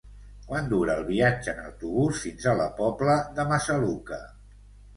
Quant dura el viatge en autobús fins a la Pobla de Massaluca?